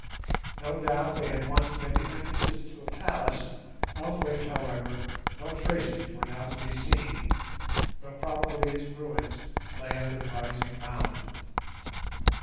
No doubt they had once been the entrances to a palace, of which, however, no traces were now to be seen, though probably its ruins lay under the rising mound.